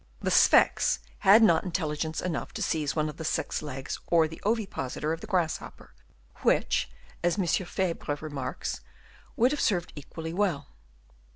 The Sphex had not intelligence enough to seize one of the six legs or the ovipositor of the grasshopper, which, as M. Fabre remarks, would have served equally well.